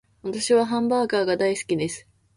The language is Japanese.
私はハンバーガーが大好きです